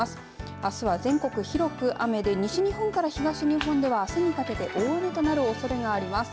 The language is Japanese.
あすは全国広く雨で西日本から東日本ではあすにかけて大雨となるおそれがあります。